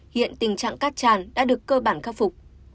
hiện tình trạng cát tràn đã được cơ bản khắc phục